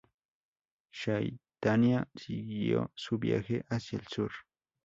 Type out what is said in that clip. Chaitania siguió su viaje hacia el sur.